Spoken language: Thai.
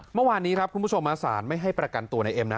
เมื่อวานนี้ครับคุณผู้ชมศาลไม่ให้ประกันตัวในเอ็มนะ